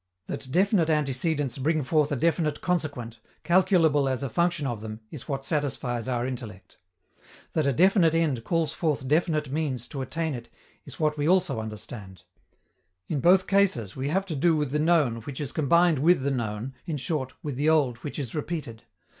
That definite antecedents bring forth a definite consequent, calculable as a function of them, is what satisfies our intellect. That a definite end calls forth definite means to attain it, is what we also understand. In both cases we have to do with the known which is combined with the known, in short, with the old which is repeated.